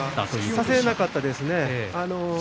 差せなかったですね。